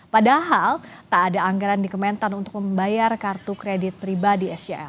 padahal tak ada anggaran di kementan untuk membayar kartu kredit pribadi scl